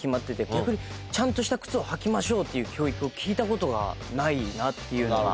逆にちゃんとした靴を履きましょうっていう教育を聞いたことがないなっていうのが。